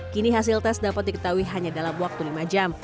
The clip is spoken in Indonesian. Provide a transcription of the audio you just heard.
kini hasil tes dapat diketahui hanya dalam waktu lima jam